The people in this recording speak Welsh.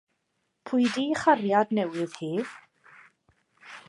Pwy 'di 'i chariad newydd hi?